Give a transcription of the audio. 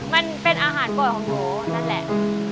มันเป็นอาหารป่วยของหนูนั่นแหละ